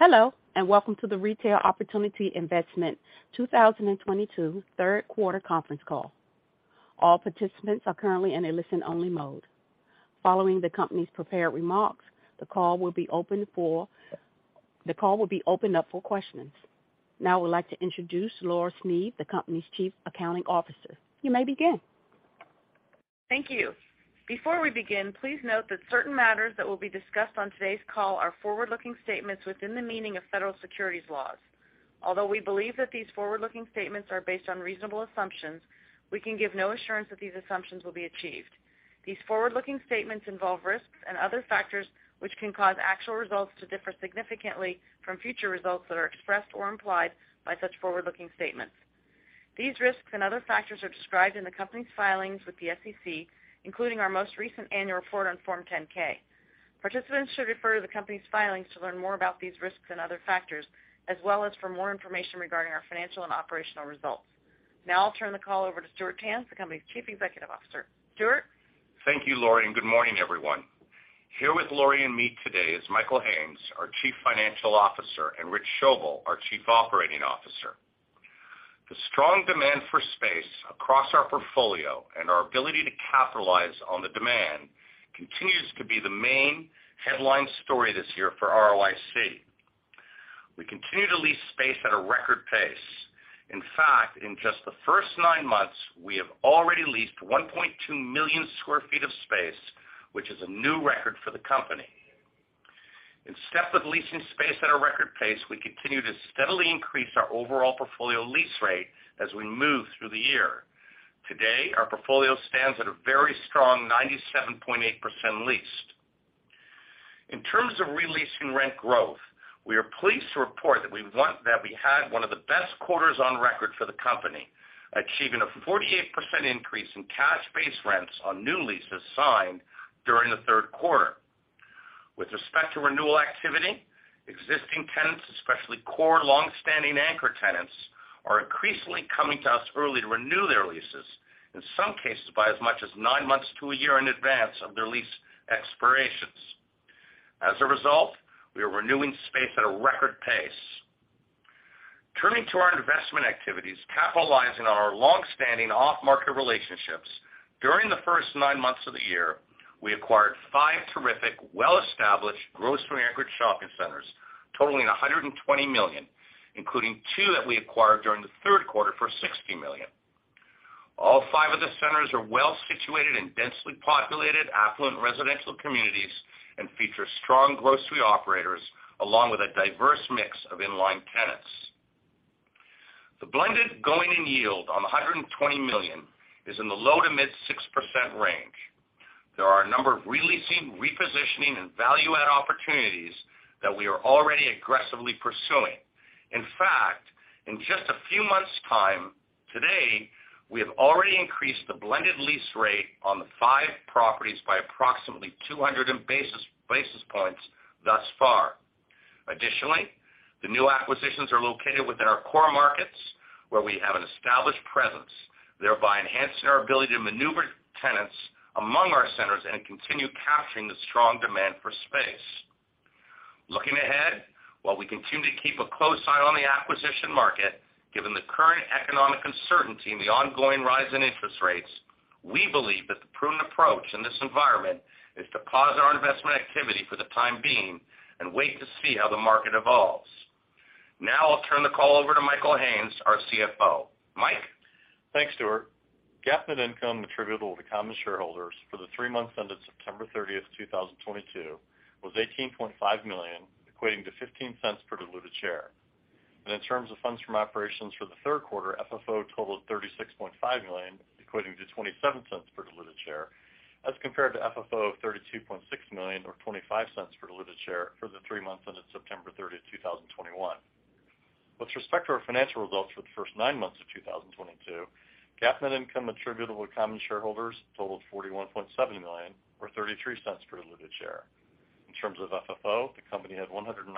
Hello, and welcome to the Retail Opportunity Investments 2022 Third Quarter Conference Call. All participants are currently in a listen-only mode. Following the company's prepared remarks, the call will be opened up for questions. Now I would like to introduce Laurie Silveira, the company's Chief Accounting Officer. You may begin. Thank you. Before we begin, please note that certain matters that will be discussed on today's call are forward-looking statements within the meaning of federal securities laws. Although we believe that these forward-looking statements are based on reasonable assumptions, we can give no assurance that these assumptions will be achieved. These forward-looking statements involve risks and other factors which can cause actual results to differ significantly from future results that are expressed or implied by such forward-looking statements. These risks and other factors are described in the company's filings with the SEC, including our most recent annual report on Form 10-K. Participants should refer to the company's filings to learn more about these risks and other factors, as well as for more information regarding our financial and operational results. Now I'll turn the call over to Stuart Tanz, the company's Chief Executive Officer. Stuart? Thank you, Lori, and good morning, everyone. Here with Lori and me today is Michael Haines, our Chief Financial Officer, and Rich Schoebel, our Chief Operating Officer. The strong demand for space across our portfolio and our ability to capitalize on the demand continues to be the main headline story this year for ROIC. We continue to lease space at a record pace. In fact, in just the first nine months, we have already leased 1.2 million sq ft of space, which is a new record for the company. In step with leasing space at a record pace, we continue to steadily increase our overall portfolio lease rate as we move through the year. Today, our portfolio stands at a very strong 97.8% leased. In terms of re-leasing rent growth, we are pleased to report that we had one of the best quarters on record for the company, achieving a 48% increase in cash base rents on new leases signed during the third quarter. With respect to renewal activity, existing tenants, especially core long-standing anchor tenants, are increasingly coming to us early to renew their leases, in some cases by as much as 9 months to a year in advance of their lease expirations. As a result, we are renewing space at a record pace. Turning to our investment activities, capitalizing on our long-standing off-market relationships, during the first 9 months of the year, we acquired 5 terrific, well-established, grocery-anchored shopping centers totaling $120 million, including two that we acquired during the third quarter for $60 million. All five of the centers are well situated in densely populated, affluent residential communities and feature strong grocery operators along with a diverse mix of in-line tenants. The blended going-in yield on $120 million is in the low-to-mid 6% range. There are a number of re-leasing, repositioning, and value-add opportunities that we are already aggressively pursuing. In fact, in just a few months' time today, we have already increased the blended lease rate on the five properties by approximately 200 basis points thus far. Additionally, the new acquisitions are located within our core markets, where we have an established presence, thereby enhancing our ability to maneuver tenants among our centers and continue capturing the strong demand for space. Looking ahead, while we continue to keep a close eye on the acquisition market, given the current economic uncertainty and the ongoing rise in interest rates, we believe that the prudent approach in this environment is to pause our investment activity for the time being and wait to see how the market evolves. Now I'll turn the call over to Michael Haines, our CFO. Mike? Thanks, Stuart. GAAP net income attributable to common shareholders for the three months ended September 30, 2022 was $18.5 million, equating to $0.15 per diluted share. In terms of funds from operations for the third quarter, FFO totaled $36.5 million, equating to $0.27 per diluted share, as compared to FFO of $32.6 million or $0.25 per diluted share for the three months ended September 30, 2021. With respect to our Financial results for the first nine months of 2022, GAAP net income attributable to common shareholders totaled $41.7 million or $0.33 per diluted share. In terms of FFO, the company had $109.4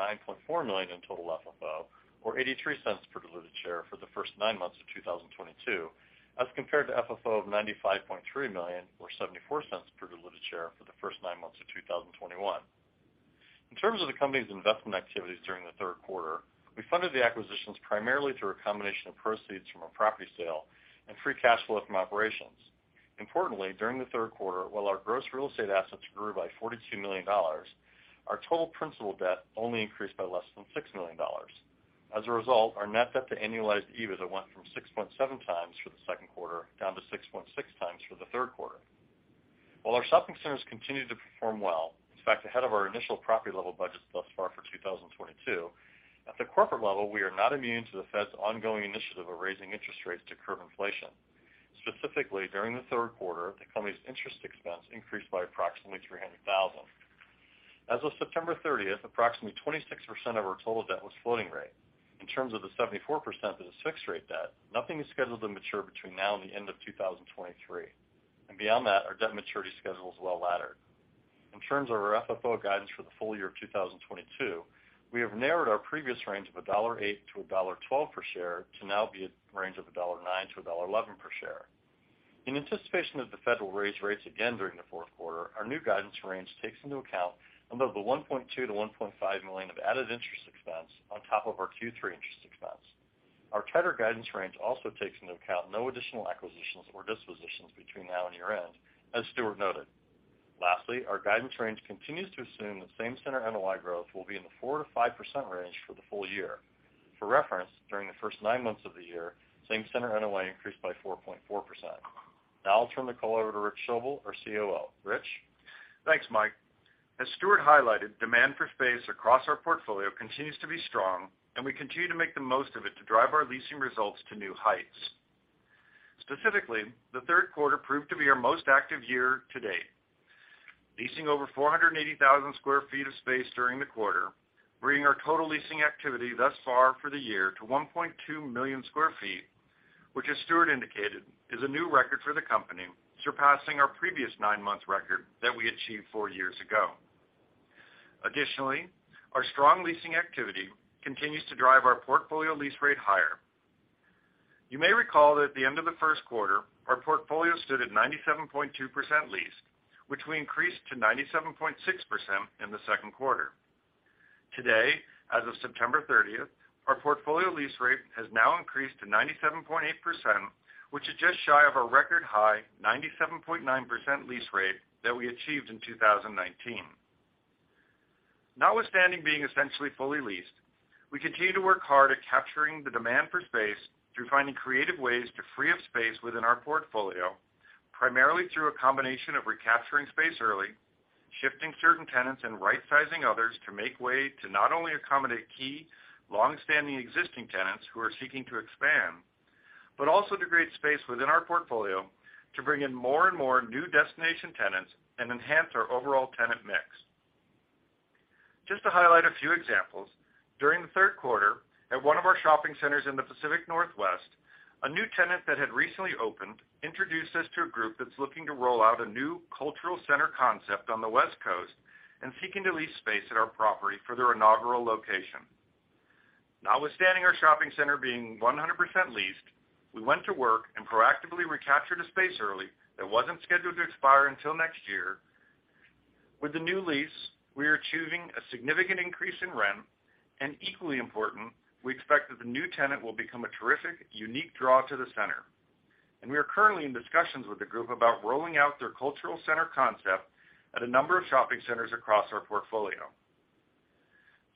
million in total FFO or $0.83 per diluted share for the first nine months of 2022, as compared to FFO of $95.3 million or $0.74 per diluted share for the first nine months of 2021. In terms of the company's investment activities during the third quarter, we funded the acquisitions primarily through a combination of proceeds from a property sale and free cash flow from operations. Importantly, during the third quarter, while our gross real estate assets grew by $42 million, our total principal debt only increased by less than $6 million. As a result, our net debt to annualized EBITDA went from 6.7 times for the second quarter down to 6.6 times for the third quarter. While our shopping centers continued to perform well, in fact, ahead of our initial property level budgets thus far for 2022, at the corporate level, we are not immune to the Fed's ongoing initiative of raising interest rates to curb inflation. Specifically, during the third quarter, the company's interest expense increased by approximately $300,000. As of September 30th, approximately 26% of our total debt was floating rate. In terms of the 74% that is fixed rate debt, nothing is scheduled to mature between now and the end of 2023. Beyond that, our debt maturity schedule is well-laddered. In terms of our FFO guidance for the full year of 2022, we have narrowed our previous range of $1.08-$1.12 per share to now be a range of $1.09-$1.11 per share. In anticipation that the Fed will raise rates again during the fourth quarter, our new guidance range takes into account about the $1.2 million-$1.5 million of added interest expense on top of our Q3 interest expense. Our tighter guidance range also takes into account no additional acquisitions or dispositions between now and year-end, as Stuart noted. Lastly, our guidance range continues to assume that same center NOI growth will be in the 4%-5% range for the full year. For reference, during the first nine months of the year, same center NOI increased by 4.4%. Now I'll turn the call over to Rich Schoebel, our COO. Rich? Thanks, Mike. As Stuart highlighted, demand for space across our portfolio continues to be strong, and we continue to make the most of it to drive our leasing results to new heights. Specifically, the third quarter proved to be our most active year to date, leasing over 480,000 sq ft of space during the quarter, bringing our total leasing activity thus far for the year to 1.2 million sq ft, which, as Stuart indicated, is a new record for the company, surpassing our previous nine-month record that we achieved four years ago. Additionally, our strong leasing activity continues to drive our portfolio lease rate higher. You may recall that at the end of the first quarter, our portfolio stood at 97.2% leased, which we increased to 97.6% in the second quarter. Today, as of September 30, our portfolio lease rate has now increased to 97.8%, which is just shy of a record high 97.9% lease rate that we achieved in 2019. Notwithstanding being essentially fully leased, we continue to work hard at capturing the demand for space through finding creative ways to free up space within our portfolio, primarily through a combination of recapturing space early, shifting certain tenants, and right-sizing others to make way to not only accommodate key long-standing existing tenants who are seeking to expand, but also to create space within our portfolio to bring in more and more new destination tenants and enhance our overall tenant mix. Just to highlight a few examples, during the third quarter, at one of our shopping centers in the Pacific Northwest, a new tenant that had recently opened introduced us to a group that's looking to roll out a new cultural center concept on the West Coast and seeking to lease space at our property for their inaugural location. Notwithstanding our shopping center being 100% leased, we went to work and proactively recaptured a space early that wasn't scheduled to expire until next year. With the new lease, we are achieving a significant increase in rent, and equally important, we expect that the new tenant will become a terrific, unique draw to the center. We are currently in discussions with the group about rolling out their cultural center concept at a number of shopping centers across our portfolio.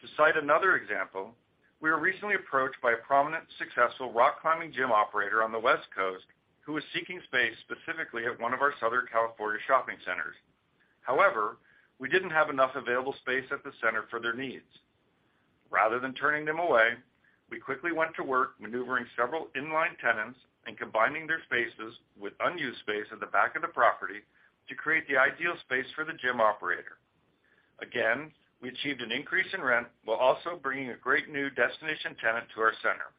To cite another example, we were recently approached by a prominent, successful rock climbing gym operator on the West Coast who was seeking space specifically at one of our Southern California shopping centers. However, we didn't have enough available space at the center for their needs. Rather than turning them away, we quickly went to work maneuvering several inline tenants and combining their spaces with unused space at the back of the property to create the ideal space for the gym operator. Again, we achieved an increase in rent while also bringing a great new destination tenant to our center.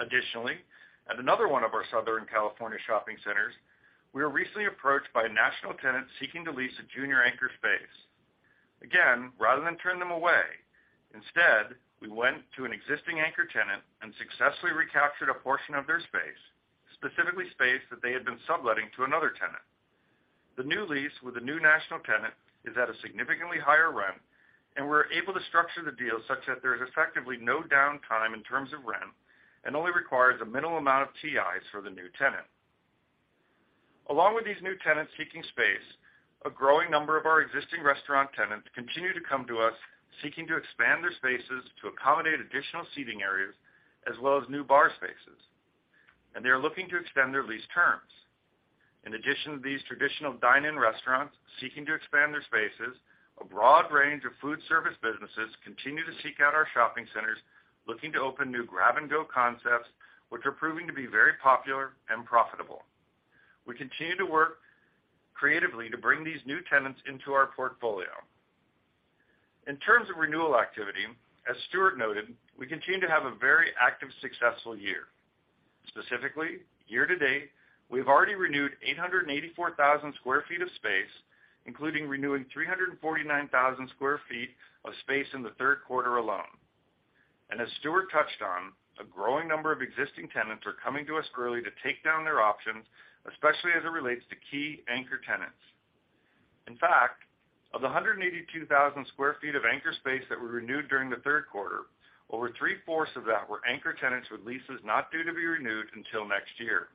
Additionally, at another one of our Southern California shopping centers, we were recently approached by a national tenant seeking to lease a junior anchor space. Again, rather than turn them away, instead, we went to an existing anchor tenant and successfully recaptured a portion of their space, specifically space that they had been subletting to another tenant. The new lease with the new national tenant is at a significantly higher rent, and we're able to structure the deal such that there is effectively no downtime in terms of rent and only requires a minimal amount of TIs for the new tenant. Along with these new tenants seeking space, a growing number of our existing restaurant tenants continue to come to us seeking to expand their spaces to accommodate additional seating areas as well as new bar spaces, and they are looking to extend their lease terms. In addition to these traditional dine-in restaurants seeking to expand their spaces, a broad range of food service businesses continue to seek out our shopping centers looking to open new grab-and-go concepts, which are proving to be very popular and profitable. We continue to work creatively to bring these new tenants into our portfolio. In terms of renewal activity, as Stuart noted, we continue to have a very active, successful year. Specifically, year to date, we've already renewed 884,000 sq ft of space, including renewing 349,000 sq ft of space in the third quarter alone. As Stuart touched on, a growing number of existing tenants are coming to us early to take down their options, especially as it relates to key anchor tenants. In fact, of the 182,000 sq ft of anchor space that we renewed during the third quarter, over three-fourths of that were anchor tenants with leases not due to be renewed until next year.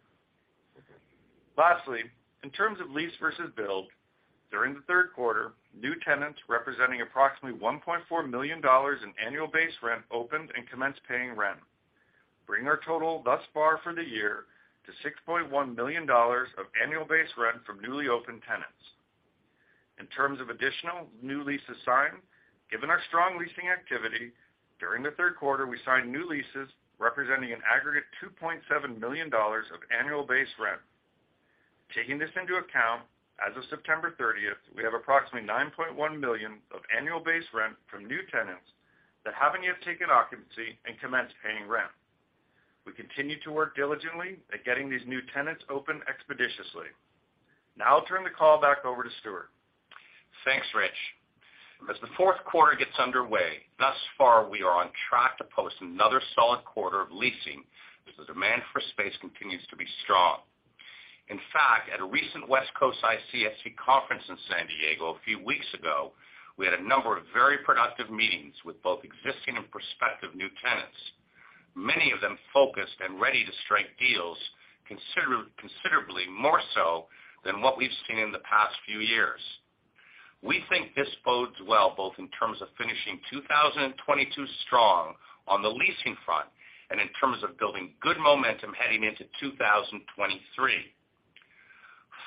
Lastly, in terms of lease versus build, during the third quarter, new tenants representing approximately $1.4 million in annual base rent opened and commenced paying rent, bringing our total thus far for the year to $6.1 million of annual base rent from newly opened tenants. In terms of additional new leases signed, given our strong leasing activity, during the third quarter, we signed new leases representing an aggregate $2.7 million of annual base rent. Taking this into account, as of September 30, we have approximately $9.1 million of annual base rent from new tenants that haven't yet taken occupancy and commenced paying rent. We continue to work diligently at getting these new tenants opened expeditiously. Now I'll turn the call back over to Stuart. Thanks, Rich. As the fourth quarter gets underway, thus far we are on track to post another solid quarter of leasing as the demand for space continues to be strong. In fact, at a recent West Coast ICSC conference in San Diego a few weeks ago, we had a number of very productive meetings with both existing and prospective new tenants, many of them focused and ready to strike deals considerably more so than what we've seen in the past few years. We think this bodes well both in terms of finishing 2022 strong on the leasing front and in terms of building good momentum heading into 2023.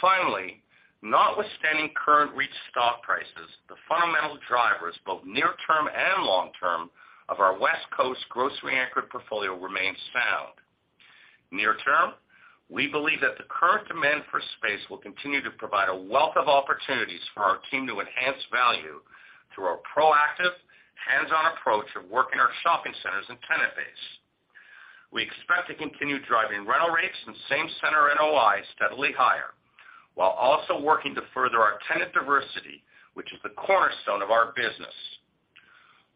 Finally, notwithstanding current REIT stock prices, the fundamental drivers, both near-term and long-term, of our West Coast grocery-anchored portfolio remain sound. Near term, we believe that the current demand for space will continue to provide a wealth of opportunities for our team to enhance value through our proactive hands-on approach of working our shopping centers and tenant base. We expect to continue driving rental rates and same center NOI steadily higher, while also working to further our tenant diversity, which is the cornerstone of our business.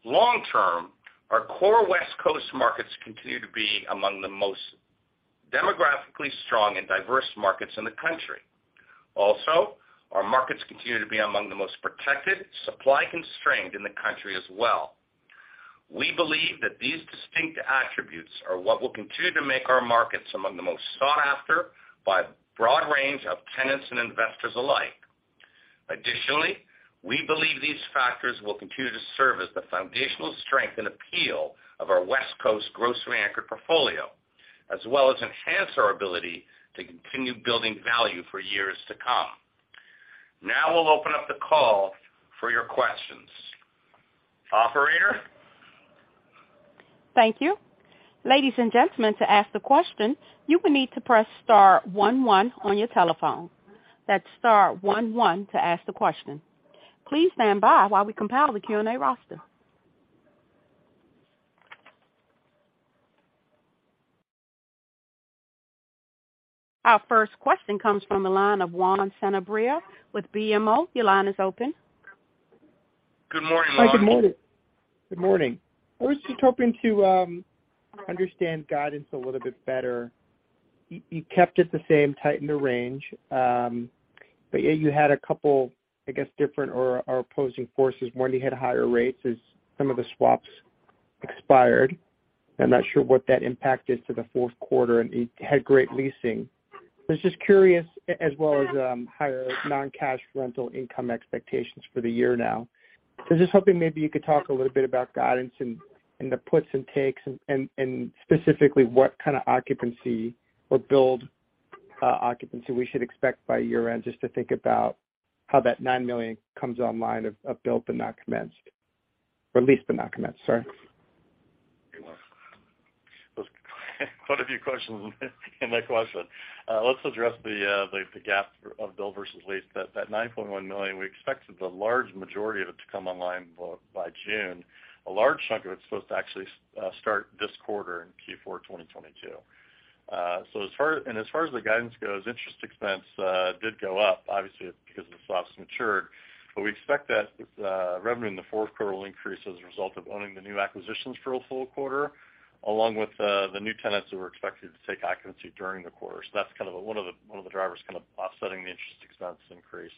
Long term, our core West Coast markets continue to be among the most demographically strong and diverse markets in the country. Also, our markets continue to be among the most protected, supply constrained in the country as well. We believe that these distinct attributes are what will continue to make our markets among the most sought after by a broad range of tenants and investors alike. Additionally, we believe these factors will continue to serve as the foundational strength and appeal of our West Coast grocery anchored portfolio, as well as enhance our ability to continue building value for years to come. Now, we'll open up the call for your questions. Operator? Thank you. Ladies and gentlemen, to ask the question, you will need to press star one one on your telephone. That's star one one to ask the question. Please stand by while we compile the Q&A roster. Our first question comes from the line of Juan Sanabria with BMO. Your line is open. Good morning, Juan. Hi. Good morning. I was just hoping to understand guidance a little bit better. You kept it the same, tightened the range, but yet you had a couple, I guess, different or opposing forces. One, you had higher rates as some of the swaps expired. I'm not sure what that impact is to the fourth quarter, and you had great leasing. I was just curious as well as higher non-cash rental income expectations for the year now. I'm just hoping maybe you could talk a little bit about guidance and the puts and takes and specifically what kind of occupancy or build, occupancy we should expect by year-end, just to think about how that $9 million comes online of build but not commenced, or leased but not commenced. Sorry. There was quite a few questions in that question. Let's address the gap of build versus lease. That $9.1 million, we expected the large majority of it to come online by June. A large chunk of it's supposed to actually start this quarter in Q4 2022. As far as the guidance goes, interest expense did go up obviously because the swaps matured, but we expect that revenue in the fourth quarter will increase as a result of owning the new acquisitions for a full quarter, along with the new tenants that we're expected to take occupancy during the quarter. That's kind of one of the drivers kind of offsetting the interest expense increase.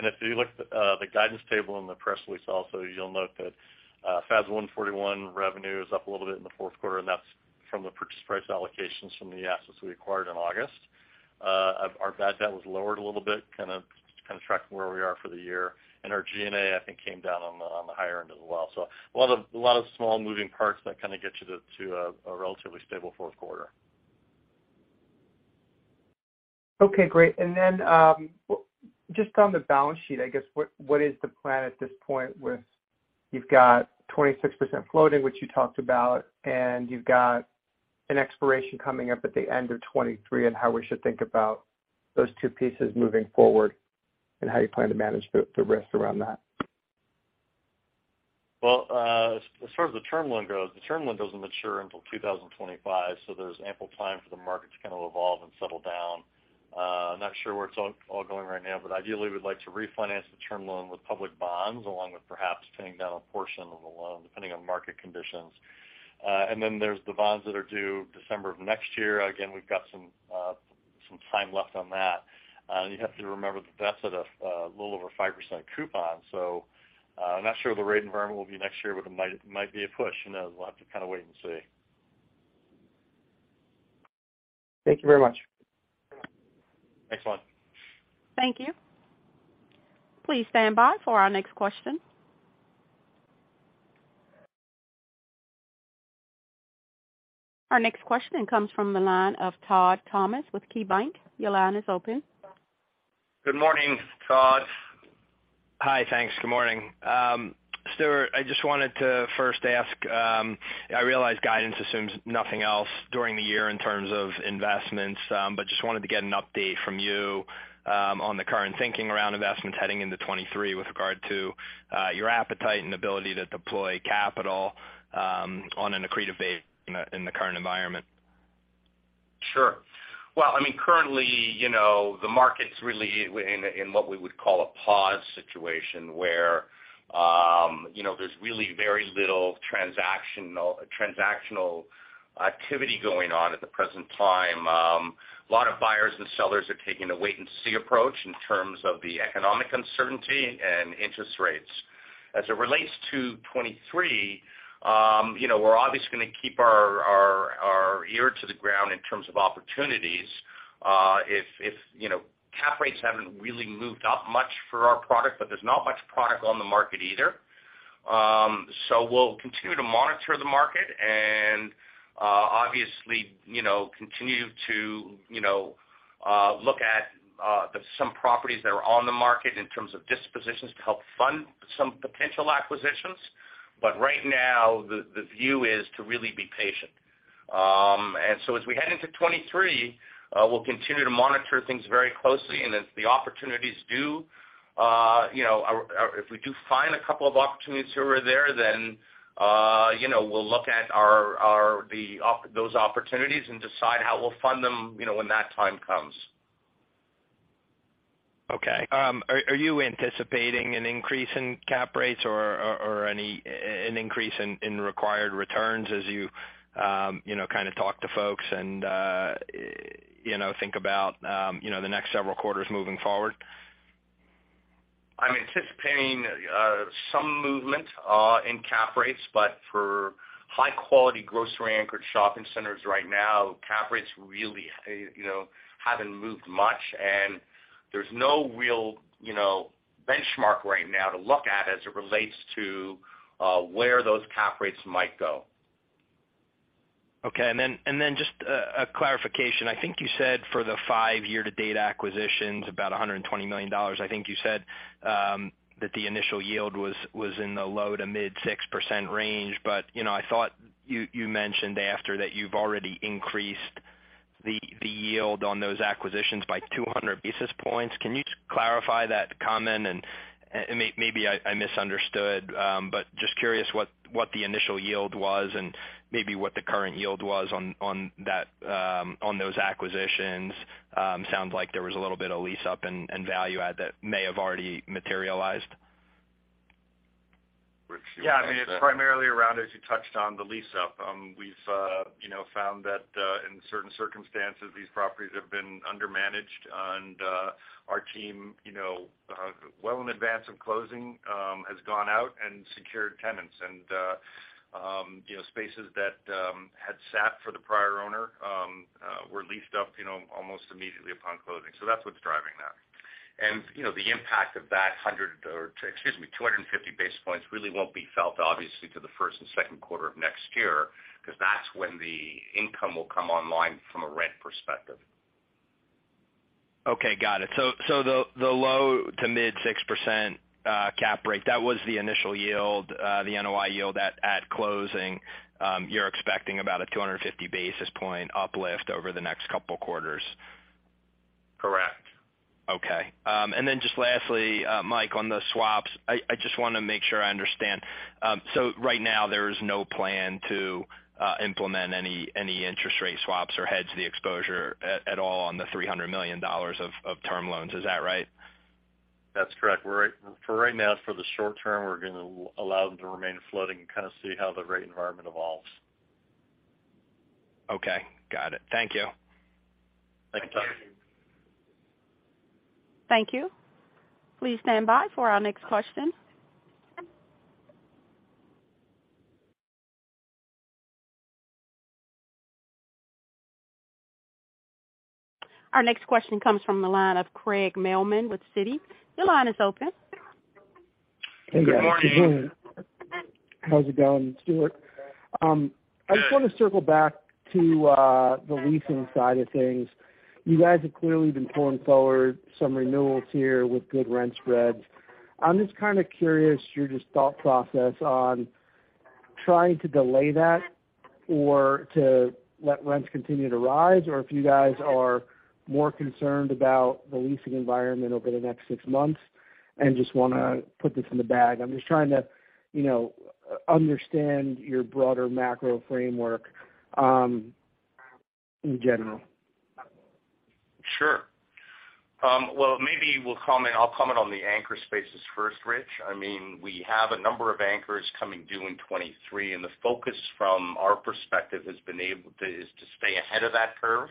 If you look at the guidance table in the press release also, you'll note that FAS 141 revenue is up a little bit in the fourth quarter, and that's from the purchase price allocations from the assets we acquired in August. Our bad debt was lowered a little bit, kind of tracking where we are for the year. Our G&A, I think, came down on the higher end as well. A lot of small moving parts that kind of get you to a relatively stable fourth quarter. Okay, great. Just on the balance sheet, I guess, what is the plan at this point with you've got 26% floating, which you talked about, and you've got an expiration coming up at the end of 2023 and how we should think about those two pieces moving forward, and how you plan to manage the risk around that? Well, as far as the term loan goes, the term loan doesn't mature until 2025, so there's ample time for the market to kind of evolve and settle down. I'm not sure where it's all going right now, but ideally we'd like to refinance the term loan with public bonds, along with perhaps paying down a portion of the loan depending on market conditions. Then there's the bonds that are due December of next year. Again, we've got some time left on that. You have to remember that that's at a little over 5% coupon. I'm not sure what the rate environment will be next year, but it might be a push. Who knows? We'll have to kind of wait and see. Thank you very much. Thanks, Juan. Thank you. Please stand by for our next question. Our next question comes from the line of Todd Thomas with KeyBank. Your line is open. Good morning, Todd. Hi. Thanks. Good morning. Stuart, I just wanted to first ask, I realize guidance assumes nothing else during the year in terms of investments, but just wanted to get an update from you, on the current thinking around investments heading into 2023 with regard to, your appetite and ability to deploy capital, on an accretive basis in the current environment. Sure. Well, I mean, currently, you know, the market's really in what we would call a pause situation where, you know, there's really very little transactional activity going on at the present time. A lot of buyers and sellers are taking a wait and see approach in terms of the economic uncertainty and interest rates. As it relates to 2023, you know, we're obviously gonna keep our ear to the ground in terms of opportunities. If you know, cap rates haven't really moved up much for our product, but there's not much product on the market either. We'll continue to monitor the market and, obviously, you know, continue to look at some properties that are on the market in terms of dispositions to help fund some potential acquisitions. Right now, the view is to really be patient. As we head into 2023, we'll continue to monitor things very closely. If we do find a couple of opportunities here or there, you know, we'll look at those opportunities and decide how we'll fund them, you know, when that time comes. Okay. Are you anticipating an increase in cap rates or an increase in required returns as you know kind of talk to folks and you know think about you know the next several quarters moving forward? I'm anticipating some movement in cap rates, but for high-quality grocery-anchored shopping centers right now, cap rates really, you know, haven't moved much, and there's no real, you know, benchmark right now to look at as it relates to where those cap rates might go. Okay. Just a clarification. I think you said for the year-to-date acquisitions, about $120 million, I think you said, that the initial yield was in the low-to-mid 6% range. You know, I thought you mentioned after that you've already increased the yield on those acquisitions by 200 basis points. Can you just clarify that comment? Maybe I misunderstood, but just curious what the initial yield was and maybe what the current yield was on those acquisitions. Sounds like there was a little bit of lease up and value add that may have already materialized. Rich, do you want to take that? I mean, it's primarily around, as you touched on the lease up. We've, you know, found that in certain circumstances these properties have been undermanaged. Our team, you know, well in advance of closing, has gone out and secured tenants. You know, spaces that had sat for the prior owner were leased up, you know, almost immediately upon closing. That's what's driving that. You know, the impact of that 100 or, excuse me, 250 basis points really won't be felt obviously till the first and second quarter of next year, because that's when the income will come online from a rent perspective. Okay, got it. The low- to mid-6% cap rate, that was the initial yield, the NOI yield at closing. You're expecting about a 250 basis point uplift over the next couple quarters. Correct. Okay. Just lastly, Mike, on the swaps, I just wanna make sure I understand. Right now, there is no plan to implement any interest rate swaps or hedge the exposure at all on the $300 million of term loans. Is that right? That's correct. For right now, for the short term, we're gonna allow them to remain floating and kind of see how the rate environment evolves. Okay, got it. Thank you. Thank you. Thank you. Thank you. Please stand by for our next question. Our next question comes from the line of Craig Mailman with Citi. Your line is open. Hey, guys. Good morning. How's it going, Stuart? I just wanna circle back to the leasing side of things. You guys have clearly been pulling forward some renewals here with good rent spreads. I'm just kind of curious your just thought process on trying to delay that or to let rents continue to rise, or if you guys are more concerned about the leasing environment over the next six months and just wanna put this in the bag. I'm just trying to, you know, understand your broader macro framework in general. Sure. I'll comment on the anchor spaces first, Rich. I mean, we have a number of anchors coming due in 2023, and the focus from our perspective is to stay ahead of that curve.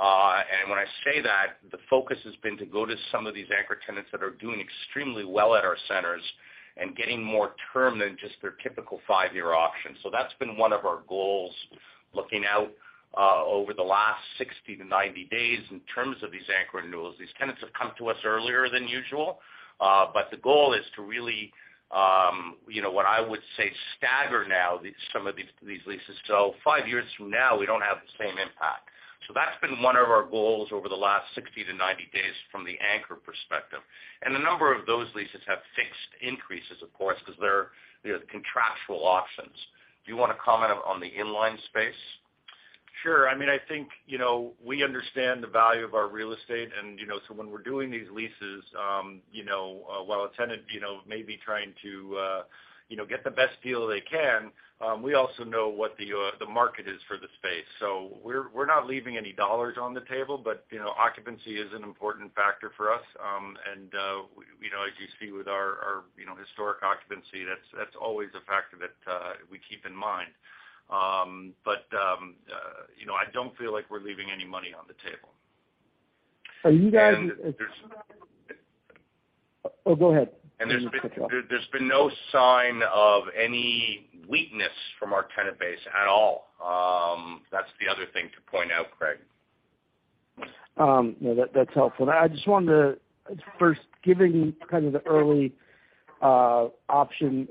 And when I say that, the focus has been to go to some of these anchor tenants that are doing extremely well at our centers and getting more term than just their typical 5-year option. So that's been one of our goals looking out over the last 60 to 90 days in terms of these anchor renewals. These tenants have come to us earlier than usual. But the goal is to really, you know, what I would say, stagger some of these leases, so 5 years from now we don't have the same impact. That's been one of our goals over the last 60-90 days from the anchor perspective. A number of those leases have fixed increases, of course, because they're, you know, contractual options. Do you wanna comment on the inline space? Sure. I mean, I think, you know, we understand the value of our real estate. You know, so when we're doing these leases, you know, while a tenant, you know, may be trying to, you know, get the best deal they can. We also know what the market is for the space. We're not leaving any dollars on the table, but you know, occupancy is an important factor for us. You know, as you see with our you know, historic occupancy, that's always a factor that we keep in mind. You know, I don't feel like we're leaving any money on the table. Are you guys? And there's- Oh, go ahead. There's been no sign of any weakness from our tenant base at all. That's the other thing to point out, Craig. No, that's helpful. I just wanted to first giving kind of the early option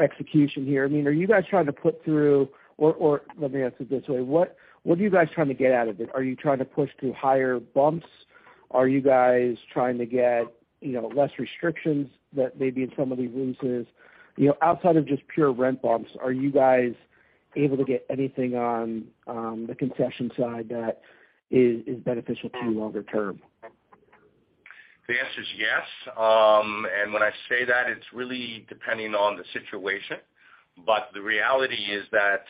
execution here. I mean, are you guys trying to put through or let me ask it this way. What are you guys trying to get out of it? Are you trying to push to higher bumps? Are you guys trying to get, you know, less restrictions that may be in some of these leases? You know, outside of just pure rent bumps, are you guys able to get anything on the concession side that is beneficial to you longer term? The answer is yes. When I say that, it's really depending on the situation. The reality is that,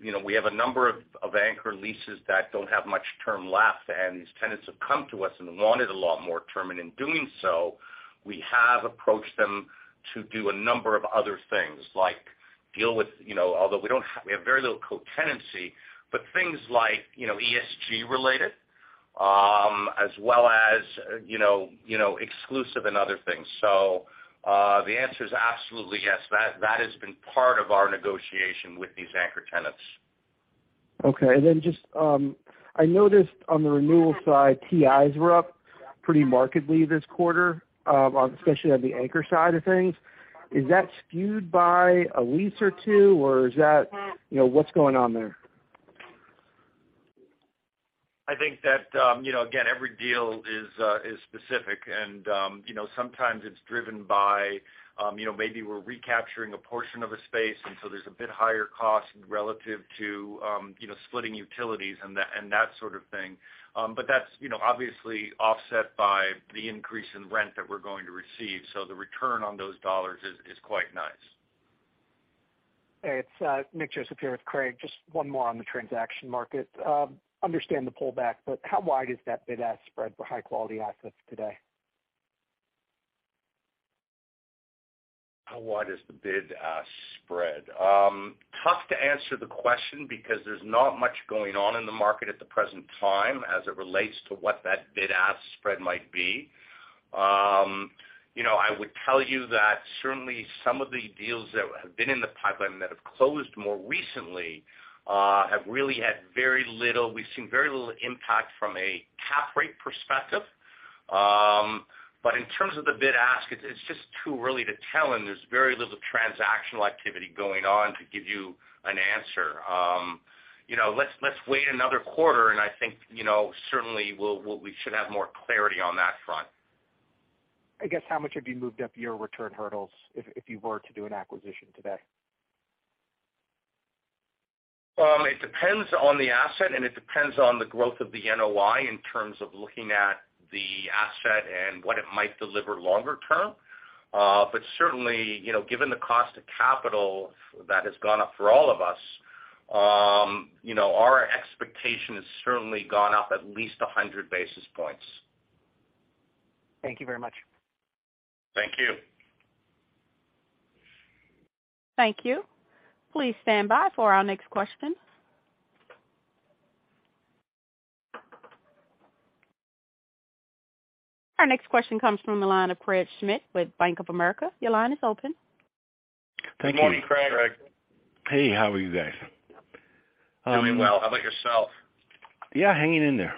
you know, we have a number of anchor leases that don't have much term left, and these tenants have come to us and wanted a lot more term. In doing so, we have approached them to do a number of other things, like deal with, you know, although we have very little co-tenancy, but things like, you know, ESG related, as well as, you know, exclusive and other things. The answer is absolutely yes. That has been part of our negotiation with these anchor tenants. Okay. Just, I noticed on the renewal side, TIs were up pretty markedly this quarter, on especially on the anchor side of things. Is that skewed by a lease or two, or is that, you know, what's going on there? I think that, you know, again, every deal is specific and, you know, sometimes it's driven by, you know, maybe we're recapturing a portion of a space, and so there's a bit higher cost relative to, you know, splitting utilities and that sort of thing. That's, you know, obviously offset by the increase in rent that we're going to receive. The return on those dollars is quite nice. It's Nick Joseph here with Craig. Just one more on the transaction market. Understand the pullback, but how wide is that bid-ask spread for high quality assets today? How wide is the bid-ask spread? Tough to answer the question because there's not much going on in the market at the present time as it relates to what that bid-ask spread might be. You know, I would tell you that certainly some of the deals that have been in the pipeline that have closed more recently have really had very little. We've seen very little impact from a cap rate perspective. But in terms of the bid-ask, it's just too early to tell, and there's very little transactional activity going on to give you an answer. You know, let's wait another quarter, and I think, you know, certainly we should have more clarity on that front. I guess, how much have you moved up your return hurdles if you were to do an acquisition today? It depends on the asset, and it depends on the growth of the NOI in terms of looking at the asset and what it might deliver longer term. Certainly, you know, given the cost of capital that has gone up for all of us, you know, our expectation has certainly gone up at least 100 basis points. Thank you very much. Thank you. Thank you. Please stand by for our next question. Our next question comes from the line of Craig Schmidt with Bank of America. Your line is open. Thank you. Good morning, Craig. Hey, how are you guys? Doing well. How about yourself? Yeah, hanging in there.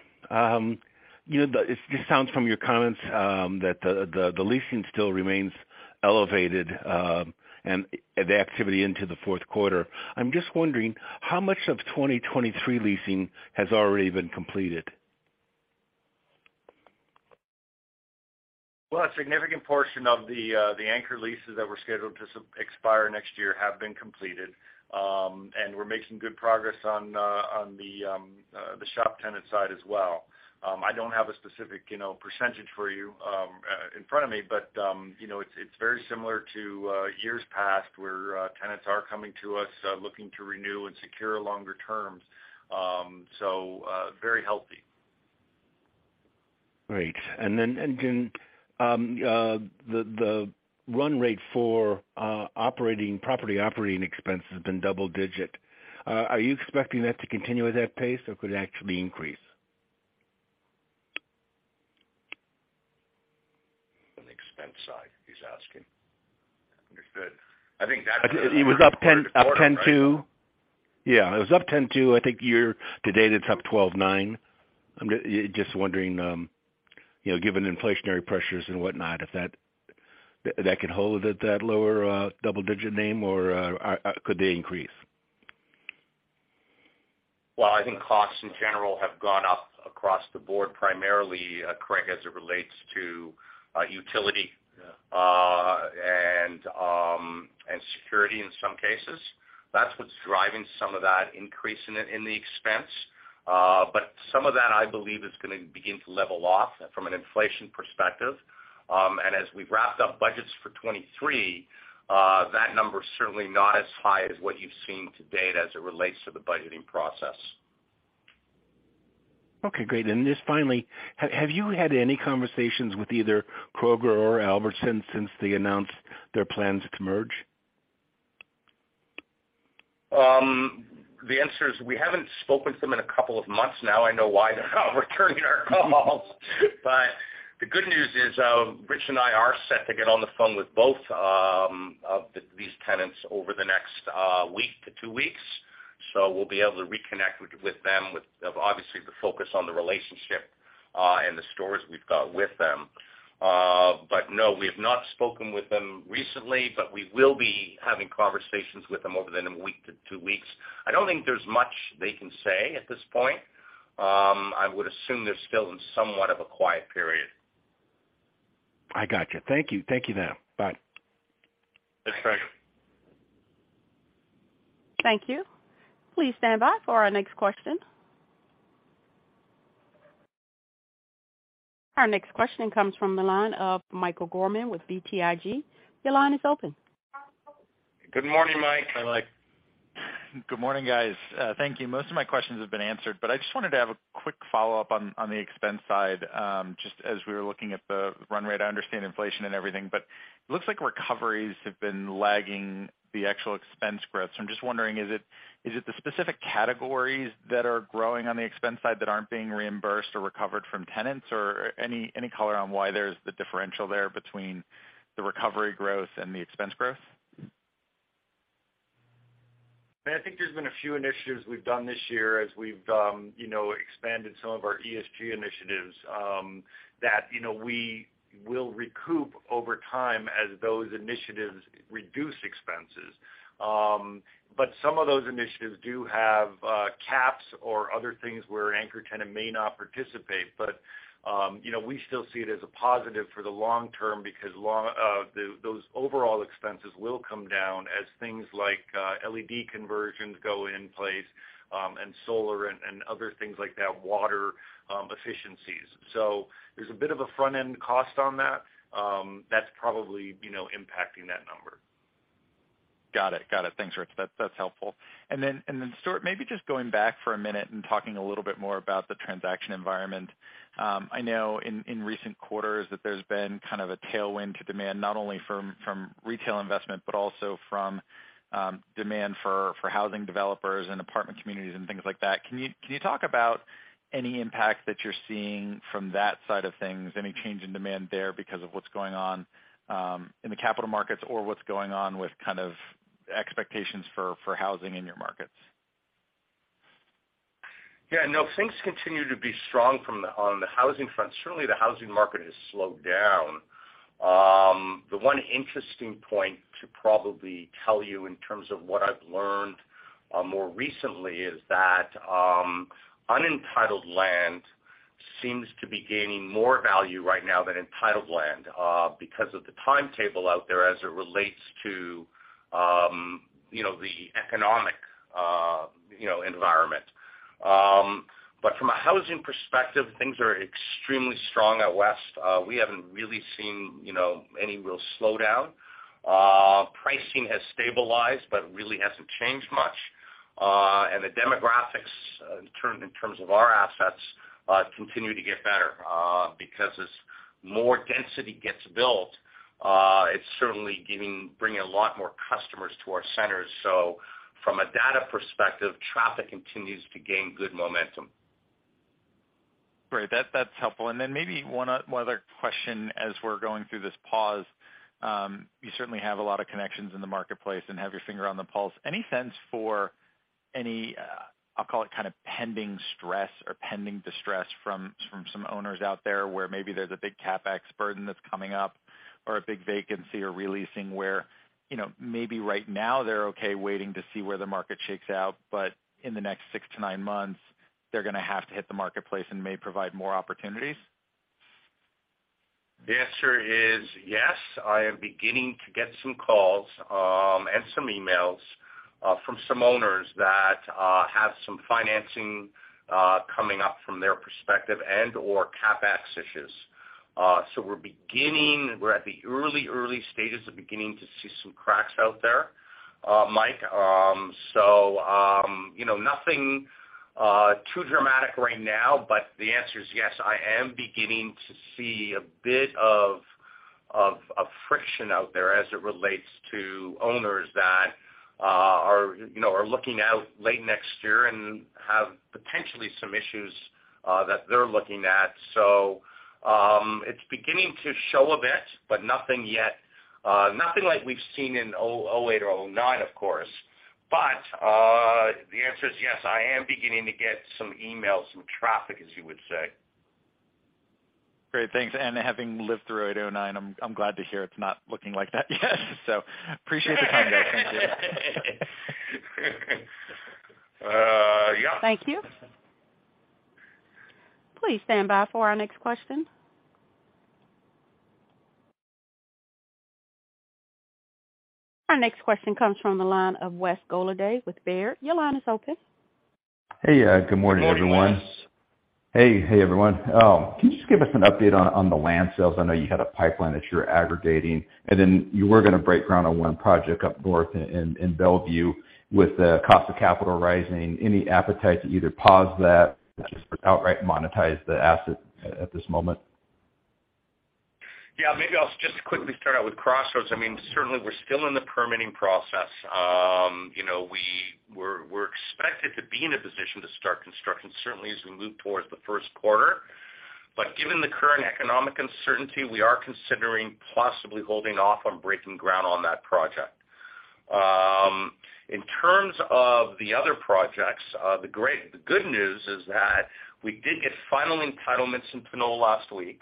You know, it sounds from your comments that the leasing still remains elevated, and the activity into the fourth quarter. I'm just wondering how much of 2023 leasing has already been completed. Well, a significant portion of the anchor leases that were scheduled to expire next year have been completed. We're making good progress on the shop tenant side as well. I don't have a specific, you know, percentage for you in front of me, but, you know, it's very similar to years past, where tenants are coming to us looking to renew and secure longer terms. Very healthy. Great. The run rate for property operating expenses has been double-digit. Are you expecting that to continue at that pace, or could it actually increase? On the expense side, he's asking. Understood. I think that's. It was up 10.2%. Yeah, it was up 10.2%. I think year to date, it's up 12.9%. I'm just wondering, you know, given inflationary pressures and whatnot, if that could hold at that lower double-digit range or could they increase? Well, I think costs in general have gone up across the board, primarily, Craig, as it relates to utility. Yeah. Security in some cases. That's what's driving some of that increase in the expense. Some of that, I believe, is gonna begin to level off from an inflation perspective. As we've wrapped up budgets for 2023, that number is certainly not as high as what you've seen to date as it relates to the budgeting process. Okay, great. Just finally, have you had any conversations with either Kroger or Albertsons since they announced their plans to merge? The answer is we haven't spoken to them in a couple of months now. I know why they're not returning our calls. The good news is, Rich and I are set to get on the phone with both of these tenants over the next week to two weeks, so we'll be able to reconnect with them with obviously the focus on the relationship and the stores we've got with them. No, we have not spoken with them recently, but we will be having conversations with them over the next week to two weeks. I don't think there's much they can say at this point. I would assume they're still in somewhat of a quiet period. I got you. Thank you. Thank you, now. Bye. Thanks, Craig Schmidt. Thank you. Please stand by for our next question. Our next question comes from the line of Michael Gorman with BTIG. Your line is open. Good morning, Michael Haines. Hi, Mike. Good morning, guys. Thank you. Most of my questions have been answered, but I just wanted to have a quick follow-up on the expense side, just as we were looking at the run rate. I understand inflation and everything, but it looks like recoveries have been lagging the actual expense growth. I'm just wondering, is it the specific categories that are growing on the expense side that aren't being reimbursed or recovered from tenants? Or any color on why there's the differential there between the recovery growth and the expense growth? I think there's been a few initiatives we've done this year as we've, you know, expanded some of our ESG initiatives, that, you know, we will recoup over time as those initiatives reduce expenses. But some of those initiatives do have, caps or other things where an anchor tenant may not participate. But, you know, we still see it as a positive for the long term because those overall expenses will come down as things like, LED conversions go in place, and solar and other things like that, water, efficiencies. There's a bit of a front-end cost on that's probably, you know, impacting that number. Got it. Thanks, Rich. That's helpful. Stuart, maybe just going back for a minute and talking a little bit more about the transaction environment. I know in recent quarters that there's been kind of a tailwind to demand not only from retail investment, but also from demand for housing developers and apartment communities and things like that. Can you talk about any impact that you're seeing from that side of things, any change in demand there because of what's going on in the capital markets or what's going on with kind of expectations for housing in your markets? Yeah, no, things continue to be strong on the housing front. Certainly, the housing market has slowed down. The one interesting point to probably tell you in terms of what I've learned more recently is that unentitled land seems to be gaining more value right now than entitled land because of the timetable out there as it relates to you know the economic you know environment. But from a housing perspective, things are extremely strong out west. We haven't really seen you know any real slowdown. Pricing has stabilized but really hasn't changed much. The demographics in terms of our assets continue to get better because as more density gets built it's certainly bringing a lot more customers to our centers. From a data perspective, traffic continues to gain good momentum. Great. That's helpful. Then maybe one other question as we're going through this pause. You certainly have a lot of connections in the marketplace and have your finger on the pulse. Any sense for any, I'll call it kind of pending stress or pending distress from some owners out there where maybe there's a big CapEx burden that's coming up or a big vacancy or re-leasing where, you know, maybe right now they're okay waiting to see where the market shakes out, but in the next 6-9 months, they're gonna have to hit the marketplace and may provide more opportunities? The answer is yes. I am beginning to get some calls, and some emails, from some owners that have some financing coming up from their perspective and/or CapEx issues. We're at the early stages of beginning to see some cracks out there, Mike. You know, nothing too dramatic right now, but the answer is yes. I am beginning to see a bit of friction out there as it relates to owners that are, you know, looking out late next year and have potentially some issues that they're looking at. It's beginning to show a bit, but nothing yet. Nothing like we've seen in 2008 or 2009, of course. The answer is yes. I am beginning to get some emails, some traffic, as you would say. Great. Thanks. Having lived through 2009, I'm glad to hear it's not looking like that yet. Appreciate the time, guys. Thank you. Yeah. Thank you. Please stand by for our next question. Our next question comes from the line of Wesley Golladay with Baird. Your line is open. Hey, good morning, everyone. Good morning, Wes. Hey. Hey, everyone. Can you just give us an update on the land sales? I know you had a pipeline that you're aggregating, and then you were gonna break ground on one project up north in Bellevue. With the cost of capital rising, any appetite to either pause that or just outright monetize the asset at this moment? Yeah, maybe I'll just quickly start out with Crossroads. I mean, certainly we're still in the permitting process. You know, we're expected to be in a position to start construction certainly as we move towards the first quarter. Given the current economic uncertainty, we are considering possibly holding off on breaking ground on that project. In terms of the other projects, the good news is that we did get final entitlements in Pinole last week,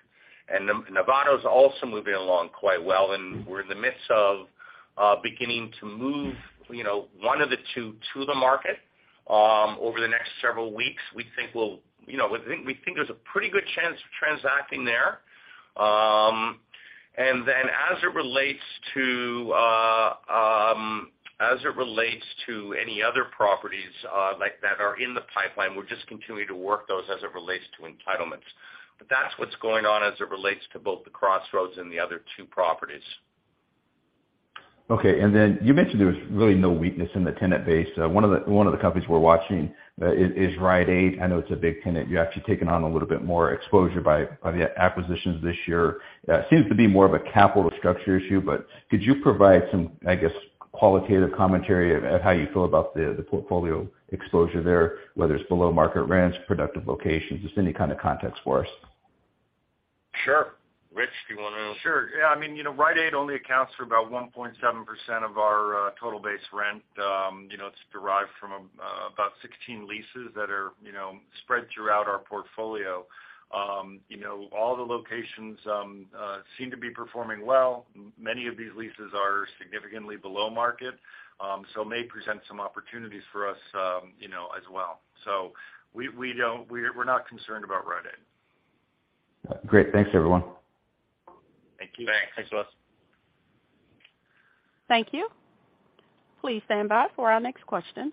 and Novato is also moving along quite well, and we're in the midst of beginning to move, you know, one of the two to the market over the next several weeks. You know, we think there's a pretty good chance of transacting there. As it relates to any other properties, like that are in the pipeline, we're just continuing to work those as it relates to entitlements. That's what's going on as it relates to both the Crossroads and the other two properties. Okay. You mentioned there was really no weakness in the tenant base. One of the companies we're watching is Rite Aid. I know it's a big tenant. You're actually taking on a little bit more exposure by the acquisitions this year. It seems to be more of a capital structure issue, but could you provide some, I guess, qualitative commentary of how you feel about the portfolio exposure there, whether it's below market rents, productive locations, just any kind of context for us? Sure. Rich, do you wanna- Sure. Yeah, I mean, you know, Rite Aid only accounts for about 1.7% of our total base rent. You know, it's derived from about 16 leases that are, you know, spread throughout our portfolio. You know, all the locations seem to be performing well. Many of these leases are significantly below market, so may present some opportunities for us, you know, as well. We're not concerned about Rite Aid. Great. Thanks, everyone. Thank you. Thanks. Thanks, Wes. Thank you. Please stand by for our next question.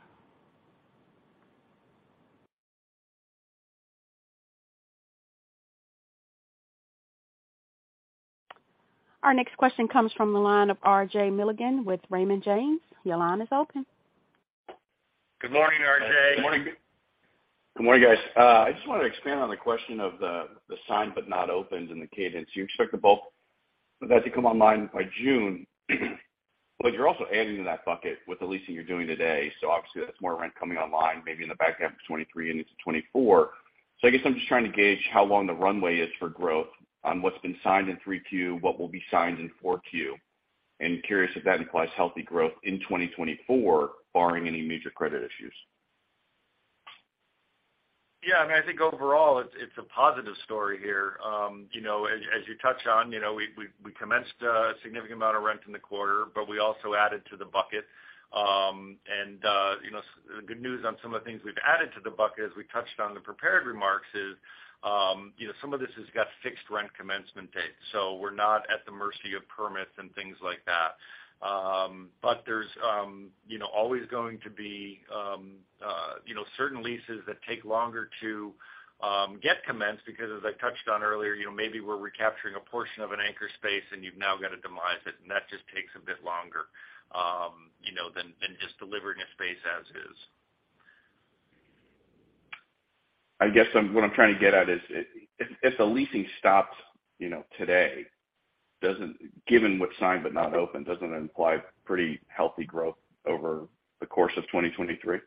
Our next question comes from the line of RJ Milligan with Raymond James. Your line is open. Good morning, RJ. Good morning. Good morning, guys. I just wanted to expand on the question of the signed but not opened in the cadence. You expect the bulk of that to come online by June, but you're also adding to that bucket with the leasing you're doing today. Obviously that's more rent coming online maybe in the back half of 2023 and into 2024. I guess I'm just trying to gauge how long the runway is for growth on what's been signed in 3Q, what will be signed in 4Q. Curious if that implies healthy growth in 2024, barring any major credit issues. Yeah, I mean, I think overall it's a positive story here. You know, as you touched on, you know, we commenced a significant amount of rent in the quarter, but we also added to the bucket. You know, so good news on some of the things we've added to the bucket, as we touched on the prepared remarks, is you know, some of this has got fixed rent commencement dates, so we're not at the mercy of permits and things like that. There's, you know, always going to be, you know, certain leases that take longer to get commenced because as I touched on earlier, you know, maybe we're recapturing a portion of an anchor space and you've now got to demise it, and that just takes a bit longer, you know, than just delivering a space as is. I guess, what I'm trying to get at is if the leasing stops, you know, today, given what's signed but not open, doesn't it imply pretty healthy growth over the course of 2023?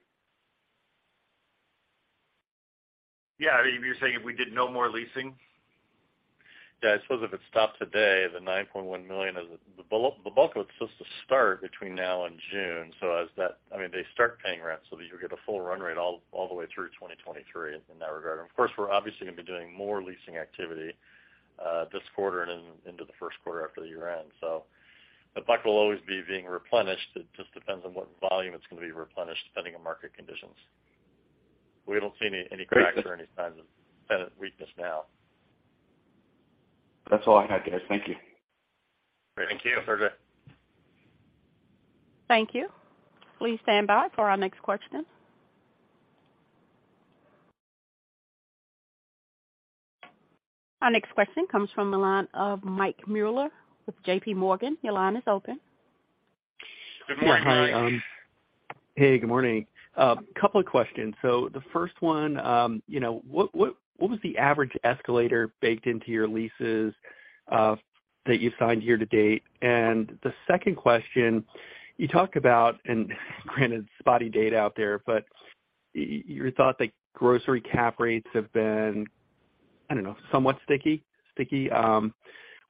Yeah. I mean, you're saying if we did no more leasing? Yeah, I suppose if it stopped today, the $9.1 million is the bulk of it that's supposed to start between now and June. As that, I mean, they start paying rent so that you'll get a full run rate all the way through 2023 in that regard. Of course, we're obviously gonna be doing more leasing activity this quarter and into the first quarter after the year ends. The bucket will always be being replenished. It just depends on what volume it's gonna be replenished depending on market conditions. We don't see any cracks or any signs of tenant weakness now. That's all I had, guys. Thank you. Great. Thank you, RJ. Thank you. Thank you. Please stand by for our next question. Our next question comes from the line of Mike Mueller with JP Morgan. Your line is open. Good morning, Mike. Hey, good morning. A couple of questions. The first one, you know, what was the average escalator baked into your leases that you signed year to date? The second question, you talked about, and granted spotty data out there, but your thought that grocery cap rates have been, I don't know, somewhat sticky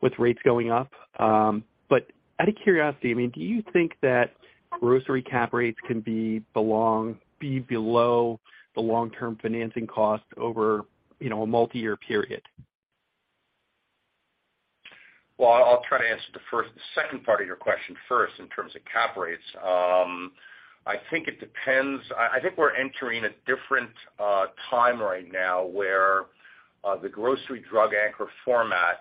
with rates going up. Out of curiosity, I mean, do you think that grocery cap rates can be below the long-term financing cost over a multi-year period? I'll try to answer the second part of your question first in terms of cap rates. I think it depends. I think we're entering a different time right now where the grocery drug anchor format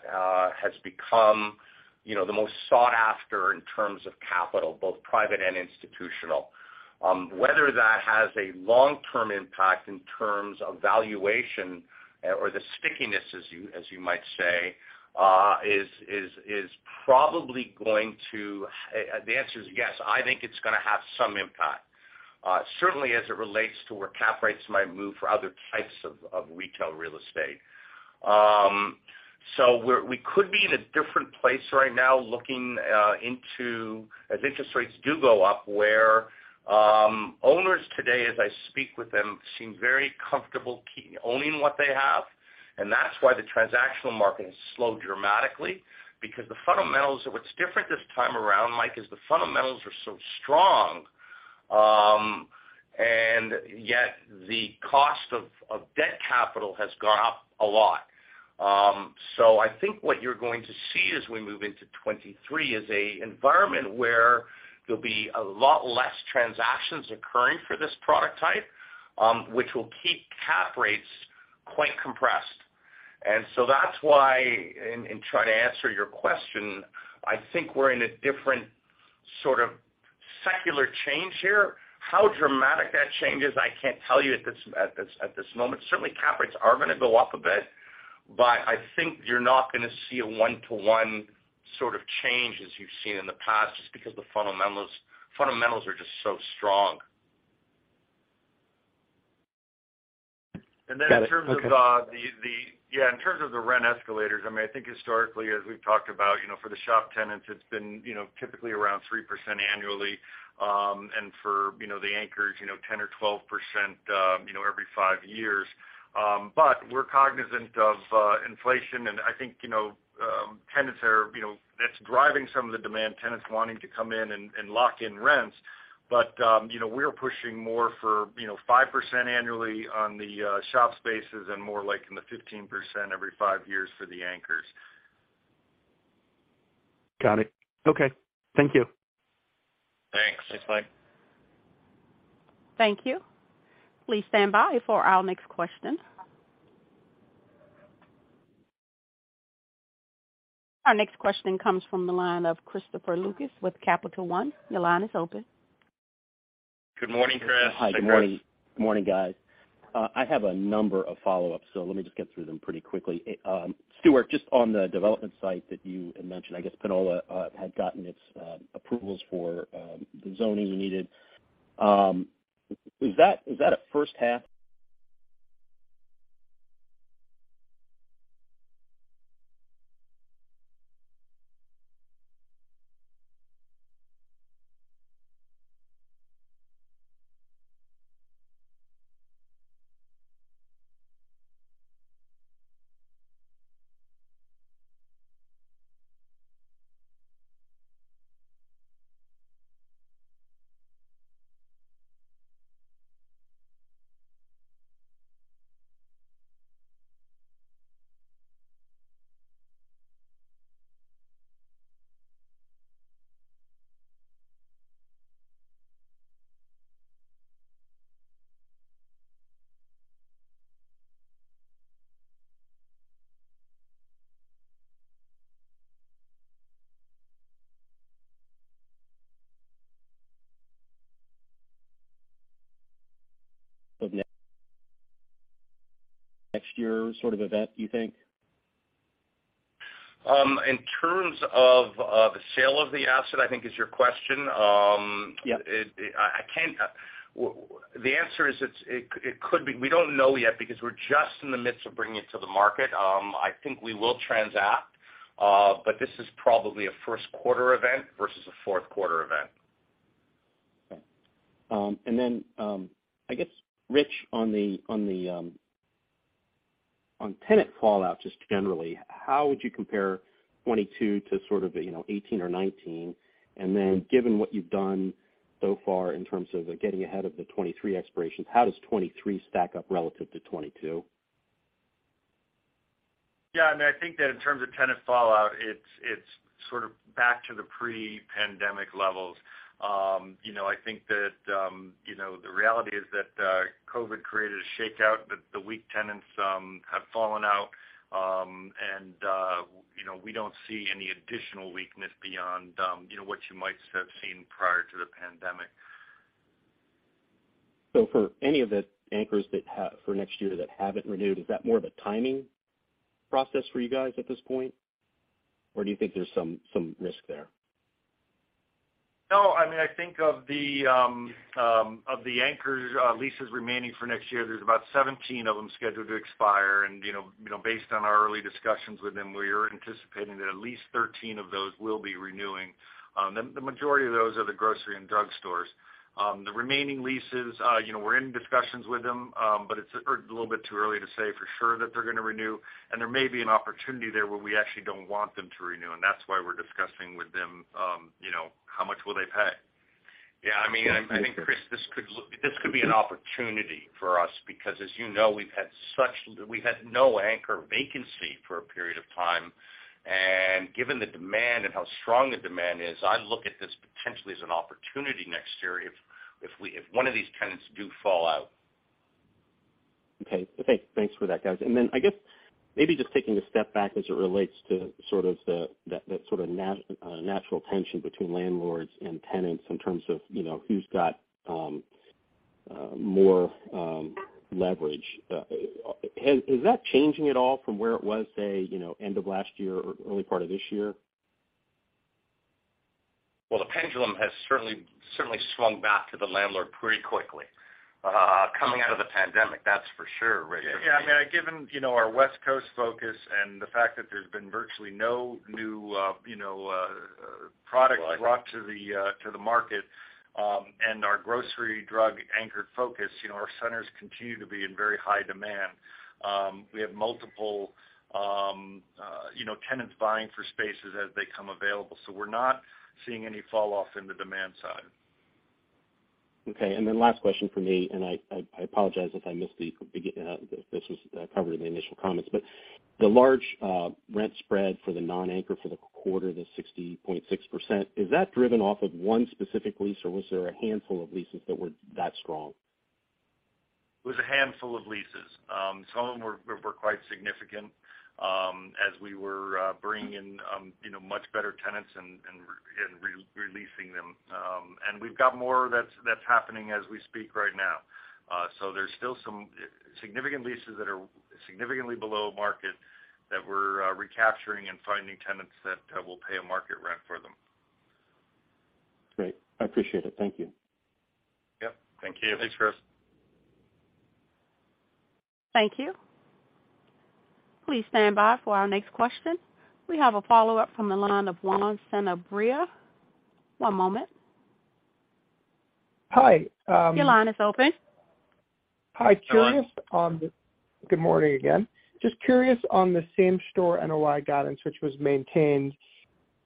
has become, you know, the most sought after in terms of capital, both private and institutional. Whether that has a long-term impact in terms of valuation or the stickiness, as you might say, the answer is yes. I think it's gonna have some impact. Certainly as it relates to where cap rates might move for other types of retail real estate. We could be in a different place right now looking into as interest rates do go up, where owners today, as I speak with them, seem very comfortable owning what they have. That's why the transactional market has slowed dramatically because the fundamentals. What's different this time around, Mike, is the fundamentals are so strong, and yet the cost of debt capital has gone up a lot. I think what you're going to see as we move into 2023 is an environment where there'll be a lot less transactions occurring for this product type, which will keep cap rates quite compressed. That's why, in trying to answer your question, I think we're in a different sort of secular change here. How dramatic that change is, I can't tell you at this moment. Certainly cap rates are gonna go up a bit, but I think you're not gonna see a one-to-one sort of change as you've seen in the past, just because the fundamentals are just so strong. In terms of the rent escalators, I mean, I think historically, as we've talked about, you know, for the shop tenants, it's been, you know, typically around 3% annually. For the anchors, you know, 10% or 12%, you know, every five years. We're cognizant of inflation. I think, you know, tenants are, you know, that's driving some of the demand, tenants wanting to come in and lock in rents. We're pushing more for, you know, 5% annually on the shop spaces and more like 15% every five years for the anchors. Got it. Okay. Thank you. Thanks. Thanks, Mike. Thank you. Please stand by for our next question. Our next question comes from the line of Christopher Lucas with Capital One. Your line is open. Good morning, Chris. Hi. Good morning. Morning, guys. I have a number of follow-ups, so let me just get through them pretty quickly. Stuart, just on the development site that you had mentioned, I guess Pinole had gotten its approvals for the zoning you needed. Is that a first half Of next year sort of event, do you think? In terms of, the sale of the asset, I think is your question. Yeah. The answer is, it could be. We don't know yet because we're just in the midst of bringing it to the market. I think we will transact, but this is probably a first quarter event versus a fourth quarter event. Okay. I guess, Rich, on the tenant fallout, just generally, how would you compare 2022 to sort of, you know, 2018 or 2019? Given what you've done so far in terms of getting ahead of the 2023 expirations, how does 2023 stack up relative to 2022? Yeah, I mean, I think that in terms of tenant fallout, it's sort of back to the pre-pandemic levels. You know, I think that, you know, the reality is that COVID created a shakeout that the weak tenants have fallen out. You know, we don't see any additional weakness beyond you know, what you might have seen prior to the pandemic. For any of the anchors for next year that haven't renewed, is that more of a timing process for you guys at this point, or do you think there's some risk there? No. I mean, I think of the anchors leases remaining for next year, there's about 17 of them scheduled to expire. You know, based on our early discussions with them, we're anticipating that at least 13 of those will be renewing. The majority of those are the grocery and drugstores. The remaining leases, you know, we're in discussions with them, but it's a little bit too early to say for sure that they're gonna renew. There may be an opportunity there where we actually don't want them to renew, and that's why we're discussing with them, you know, how much will they pay. Yeah, I mean, I think, Chris, this could be an opportunity for us because as you know, we've had no anchor vacancy for a period of time. Given the demand and how strong the demand is, I look at this potentially as an opportunity next year if one of these tenants do fall out. Okay, thanks for that, guys. I guess maybe just taking a step back as it relates to sort of that natural tension between landlords and tenants in terms of, you know, who's got more leverage. Is that changing at all from where it was, say, you know, end of last year or early part of this year? Well, the pendulum has certainly swung back to the landlord pretty quickly, coming out of the pandemic, that's for sure, Rich. Yeah. I mean, given you know, our West Coast focus and the fact that there's been virtually no new product brought to the market, and our grocery-drug-anchored focus, you know, our centers continue to be in very high demand. We have multiple you know, tenants vying for spaces as they come available, so we're not seeing any fall off in the demand side. Last question from me, I apologize if I missed if this was covered in the initial comments, but the large rent spread for the non-anchor for the quarter, the 60.6%, is that driven off of one specific lease, or was there a handful of leases that were that strong? It was a handful of leases. Some of them were quite significant, as we were bringing in, you know, much better tenants and re-releasing them. We've got more that's happening as we speak right now. There's still some significant leases that are significantly below market that we're recapturing and finding tenants that will pay a market rent for them. Great. I appreciate it. Thank you. Yep, thank you. Thanks, Chris. Thank you. Please stand by for our next question. We have a follow-up from the line of Juan Sanabria. One moment. Hi. Your line is open. Good morning again. Just curious on the same-store NOI guidance which was maintained.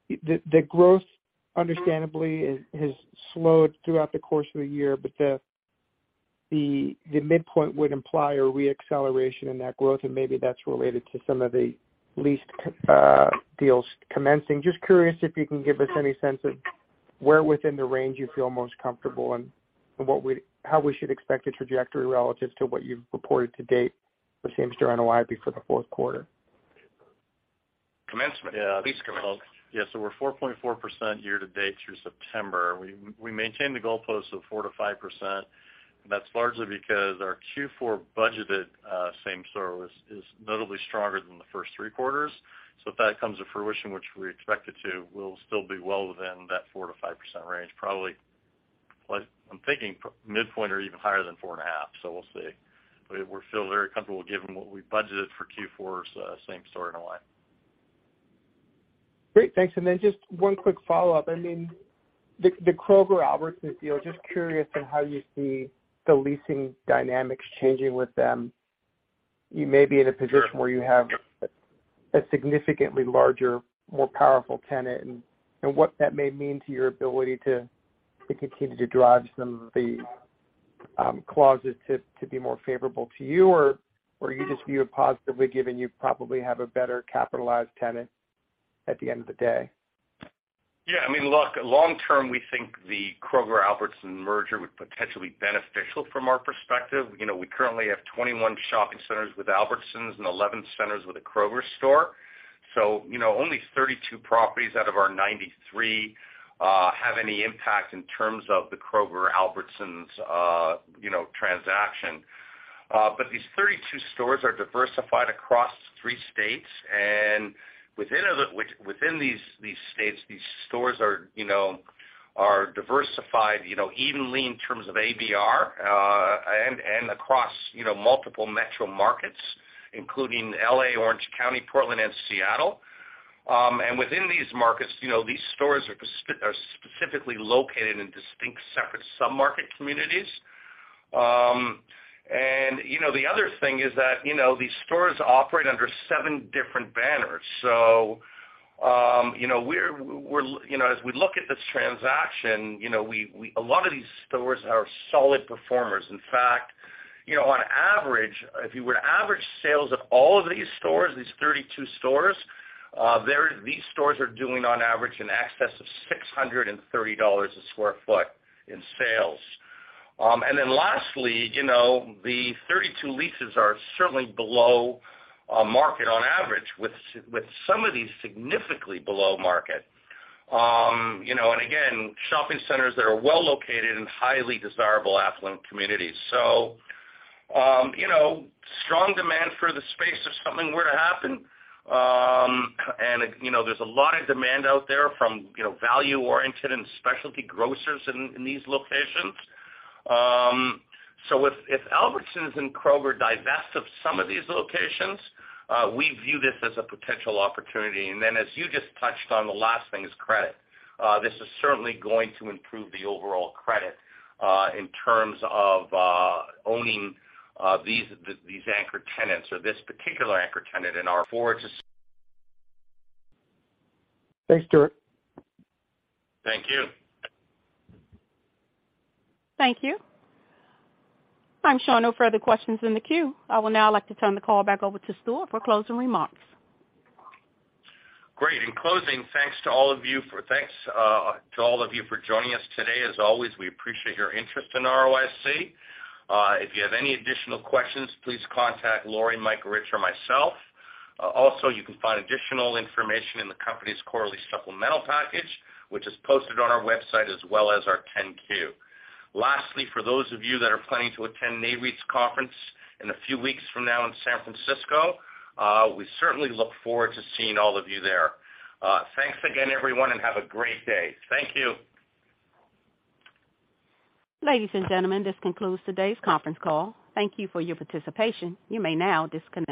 The growth understandably has slowed throughout the course of the year, but the midpoint would imply a re-acceleration in that growth, and maybe that's related to some of the leased deals commencing. Just curious if you can give us any sense of where within the range you feel most comfortable and how we should expect a trajectory relative to what you've reported to date for same-store NOI before the fourth quarter. Lease commencement. Yeah. We're 4.4% year to date through September. We maintain the goalpost of 4%-5%. That's largely because our Q4 budgeted same store is notably stronger than the first three quarters. If that comes to fruition, which we expect it to, we'll still be well within that 4%-5% range, probably like, I'm thinking midpoint or even higher than 4.5%, so we'll see. But we feel very comfortable given what we budgeted for Q4's same store NOI. Great, thanks. Just one quick follow-up. I mean, the Kroger-Albertsons deal, just curious on how you see the leasing dynamics changing with them. You may be in a position where you have a significantly larger, more powerful tenant and what that may mean to your ability to continue to drive some of the clauses to be more favorable to you. Or you just view it positively given you probably have a better capitalized tenant at the end of the day. Yeah. I mean, look, long term, we think the Kroger-Albertsons merger would potentially beneficial from our perspective. You know, we currently have 21 shopping centers with Albertsons and 11 centers with a Kroger store. You know, only 32 properties out of our 93 have any impact in terms of the Kroger-Albertsons transaction. But these 32 stores are diversified across three states, and within these states, these stores are diversified evenly in terms of ABR, and across multiple metro markets, including LA, Orange County, Portland and Seattle. Within these markets, you know, these stores are specifically located in distinct separate sub-market communities. You know, the other thing is that, you know, these stores operate under seven different banners. You know, we're, you know, as we look at this transaction, you know, a lot of these stores are solid performers. In fact, you know, on average, if you were to average sales of all of these stores, these 32 stores, these stores are doing on average in excess of $630 a sq ft in sales. And then lastly, you know, the 32 leases are certainly below market on average, with some of these significantly below market. You know, and again, shopping centers that are well located in highly desirable affluent communities. You know, strong demand for the space if something were to happen. And, you know, there's a lot of demand out there from, you know, value-oriented and specialty grocers in these locations. If Albertsons and Kroger divest of some of these locations, we view this as a potential opportunity. As you just touched on, the last thing is credit. This is certainly going to improve the overall credit in terms of owning these anchor tenants or this particular anchor tenant in our forward to. Thanks, Stuart. Thank you. Thank you. I'm showing no further questions in the queue. I would now like to turn the call back over to Stuart for closing remarks. Great. In closing, thanks to all of you for joining us today. As always, we appreciate your interest in ROIC. If you have any additional questions, please contact Lori, Mike, Rich, or myself. Also, you can find additional information in the company's quarterly supplemental package, which is posted on our website, as well as our Form 10-Q. Lastly, for those of you that are planning to attend NAREIT's conference in a few weeks from now in San Francisco, we certainly look forward to seeing all of you there. Thanks again, everyone, and have a great day. Thank you. Ladies and gentlemen, this concludes today's conference call. Thank you for your participation. You may now disconnect.